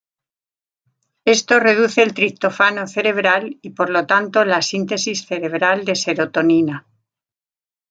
Esto reduce el triptófano cerebral y, por lo tanto, la síntesis cerebral de serotonina.